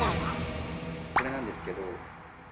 これなんですけど。